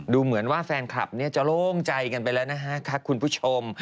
ดูเหมือนว่าแฟนคลับจะโล่งใจกันไปแล้วนะฮะคุณผู้ชม